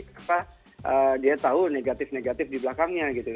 karena dia tahu negatif negatif di belakangnya gitu kan